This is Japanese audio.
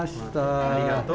ありがとう。